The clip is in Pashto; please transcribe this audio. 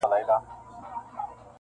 د بخشش او د ستایلو مستحق دی,